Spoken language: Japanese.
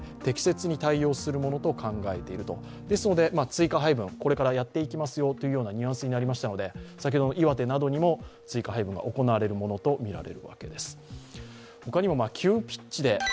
追加配分、これからやっていきますよというようなニュアンスになりましたので、先ほどの岩手などにも追加配分が行われるものとみられるわけです。